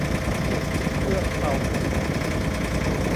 เครื่องเป่าผม